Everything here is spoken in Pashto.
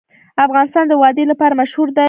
افغانستان د وادي لپاره مشهور دی.